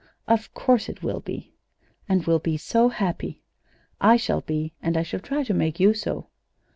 "Of course it will be." "And we'll be so happy!" "I shall be, and I shall try to make you so."